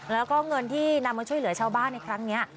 แล้วก็เงินที่นำมาช่วยเหลือชาวบ้านในครั้งนี้